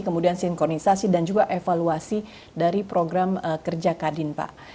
kemudian sinkronisasi dan juga evaluasi dari program kerja kadin pak